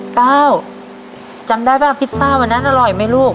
ก้าวจำได้ป่ะพิซซ่าวันนั้นอร่อยไหมลูก